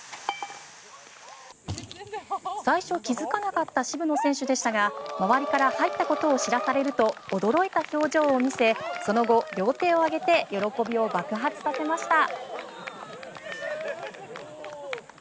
最初、気付かなかった渋野選手でしたが周りから入ったことを知らされると驚いた表情を見せその後、両手を上げて喜びを爆発させました。